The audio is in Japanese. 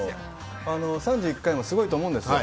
３１回もすごいと思うんですよ。